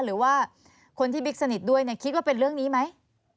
หรือว่าคนที่บิ๊กสนิทด้วยเนี่ยคิดว่าเป็นเรื่องนี้ไหม